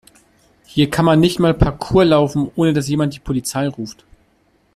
Hier kann man nicht mal Parkour laufen, ohne dass jemand die Polizei ruft.